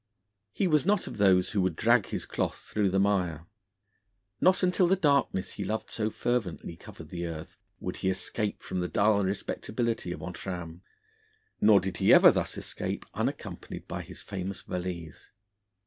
He was not of those who would drag his cloth through the mire. Not until the darkness he loved so fervently covered the earth would he escape from the dull respectability of Entrammes, nor did he ever thus escape unaccompanied by his famous valise.